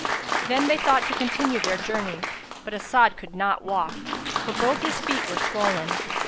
Then they thought to continue their journey, but As'ad could not walk, for both his feet were swollen.